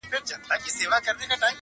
• او ځينې پوښتني بې ځوابه وي تل,